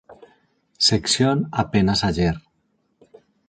Sección Apenas ayer.